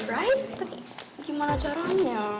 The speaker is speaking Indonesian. tapi gimana caranya